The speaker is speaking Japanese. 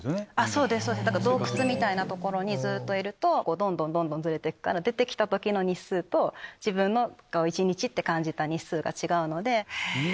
洞窟みたいな所にずっといるとどんどんズレてくから出てきた時の日数と自分が一日って感じた日数が違うので。